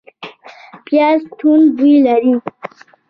پیاز توند بوی لري